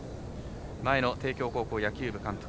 前の帝京高校野球部監督